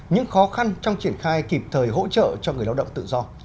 những khó khăn trong triển khai kịp thời hỗ trợ cho người lao động tự do